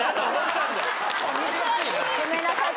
ごめんなさい。